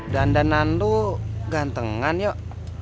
dandanan lu gantengan yuk